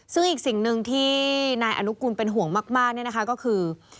ซึ่งอีกสิ่งหนึ่งที่นายอนุกูลเป็นห่วงมากเนี่ยนะคะก็คือ